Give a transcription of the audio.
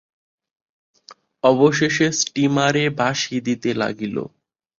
অবশেষে স্টীমারে বাঁশি দিতে লাগিল।